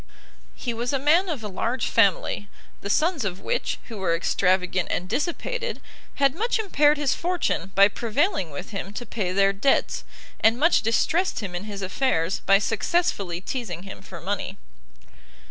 He was a man of a large family, the sons of which, who were extravagant and dissipated, had much impaired his fortune by prevailing with him to pay their debts, and much distressed him in his affairs by successfully teasing him for money.